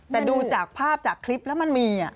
แต่ดูจากภาพจากคลิปแล้วมันมี